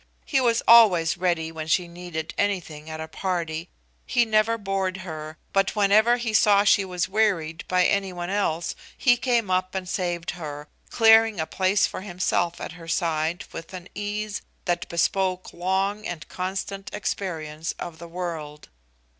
He was always ready when she needed anything at a party; he never bored her, but whenever he saw she was wearied by any one else he came up and saved her, clearing a place for himself at her side with an ease that bespoke long and constant experience of the world.